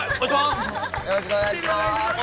◆よろしくお願いします。